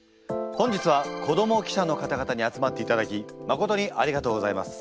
本日は子ども記者の方々に集まっていただきまことにありがとうございます。